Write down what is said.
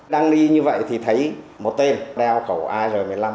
đang đi như vậy thì thấy một tên đeo khẩu ar một mươi năm